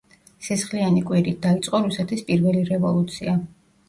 სისხლიანი კვირით დაიწყო რუსეთის პირველი რევოლუცია.